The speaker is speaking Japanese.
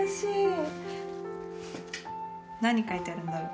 何書いてあるんだろう。